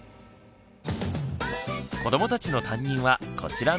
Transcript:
子どもたちの担任はこちらのお二人。